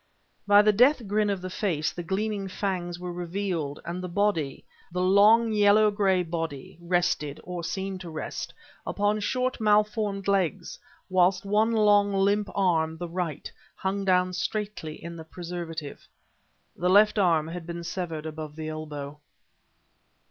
By the death grin of the face the gleaming fangs were revealed; and the body, the long yellow gray body, rested, or seemed to rest, upon short, malformed legs, whilst one long limp arm, the right, hung down straightly in the preservative. The left arm had been severed above the elbow.